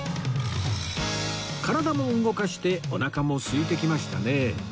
体も動かしておなかもすいてきましたねえ